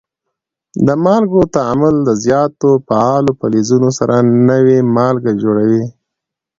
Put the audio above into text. د مالګو تعامل د زیاتو فعالو فلزونو سره نوي مالګې جوړوي.